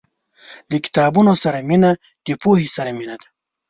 • د کتابونو سره مینه، د پوهې سره مینه ده.